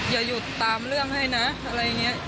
อย่ายุดตามเรื่องให้นะอะไรงี้